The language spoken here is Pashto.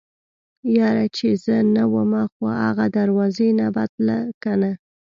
يره چې زه نه ومه خو اغه دروازې نه به تله کنه.